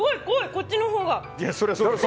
こっちのほうが！